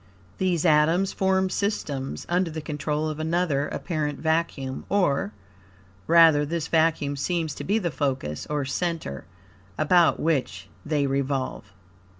These atoms form systems, under the control of another apparent vacuum; or, rather, this vacuum seems to be the focus, or center, about which they revolve.